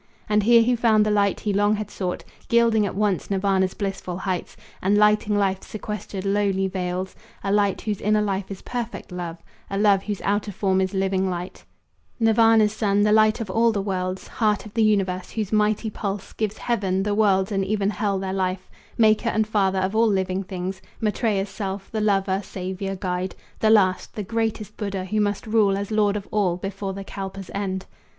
And here he found the light he long had sought, Gilding at once Nirvana's blissful heights And lighting life's sequestered, lowly vales A light whose inner life is perfect love, A love whose outer form is living light, Nirvana's Sun, the Light of all the worlds, Heart of the universe, whose mighty pulse Gives heaven, the worlds and even hell their life, Maker and Father of all living things Matreya's self, the Lover, Saviour, Guide, The last, the greatest Buddha, who must rule As Lord of all before the kalpa's end.